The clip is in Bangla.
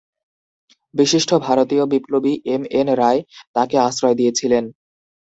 বিশিষ্ট ভারতীয় বিপ্লবী এম. এন. রায় তাঁকে আশ্রয় দিয়েছিলেন।